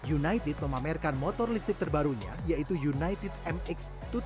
united memamerkan motor listrik terbarunya yaitu united mx tujuh belas